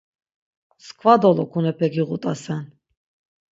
Mskva dolokunonepe giğut̆asen.